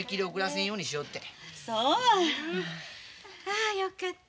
ああよかった。